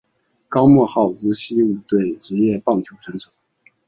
高木浩之西武队职业棒球选手。